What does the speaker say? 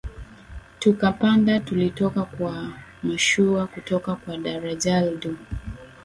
tukapandaTulitoka kwa mashua kutoka kwa Laranjal do